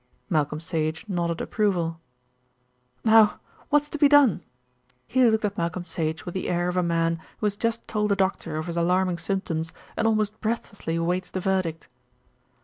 Malcolm Sage nodded approval. "Now, what's to be done?" He looked at Malcolm Sage with the air of a man who has just told a doctor of his alarming symptoms, and almost breathlessly awaits the verdict.